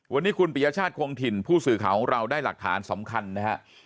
วันนี้คุณปริยชาติคงถิ่นผู้สื่อข่าวของเราได้หลักฐานสำคัญนะฮะ